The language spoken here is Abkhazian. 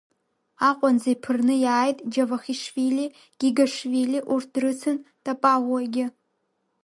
Аҟәанӡа иԥырны иааит Џьавахишвили, Гигошвили, урҭ дрыцын Табаӷәуагьы.